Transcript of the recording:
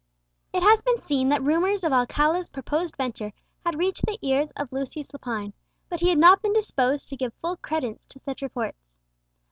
It has been seen that rumours of Alcala's proposed venture had reached the ears of Lucius Lepine, but he had not been disposed to give full credence to such reports.